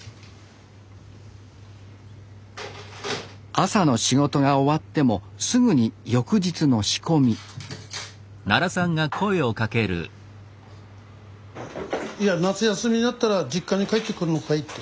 朝の仕事が終わってもすぐに翌日の仕込みいや夏休みになったら実家に帰ってくるのかいって。